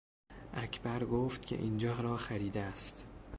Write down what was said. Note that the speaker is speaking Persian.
اکبر گفت که اینجا را خریده است.